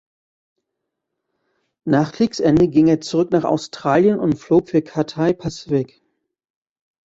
Nach Kriegsende ging er zurück nach Australien und flog für Cathay Pacific.